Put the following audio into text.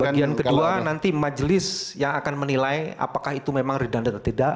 bagian kedua nanti majelis yang akan menilai apakah itu memang redundat atau tidak